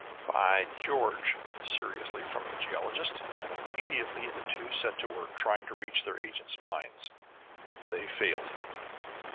"By George!" seriously, from the geologist. And immediately the two set to work trying to reach their agents' minds. They failed!